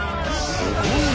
すごいな。